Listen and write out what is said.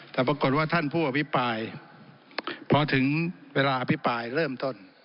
แต่ปรากฏว่าท่านผู้อภิปรายพอถึงเวลาอภิปรายเริ่มต้น